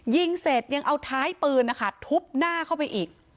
ยิงเสร็จยังเอาท้ายปืนนะคะทุบหน้าเข้าไปอีก